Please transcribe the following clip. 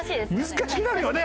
難しくなるよね？